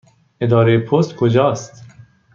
اداره پست کجا است؟